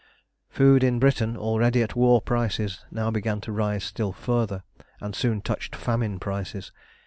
Food in Britain, already at war prices, now began to rise still further, and soon touched famine prices.